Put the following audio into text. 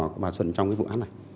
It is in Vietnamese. của bà xuân trong cái vụ án này